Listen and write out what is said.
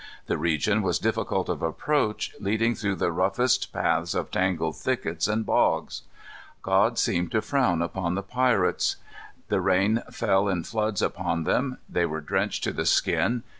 The region was difficult of approach, leading through the roughest paths of tangled thickets and bogs. God seemed to frown upon the pirates. The rain fell in floods upon them. They were drenched to the skin.